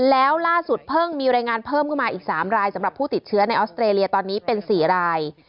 แล้วล่าสุดเพิ่งมีรายงานเพิ่มขึ้นมาอีก๓รายสำหรับผู้ติดเชื้อในออสเตรเลียตอนนี้เป็น๔ราย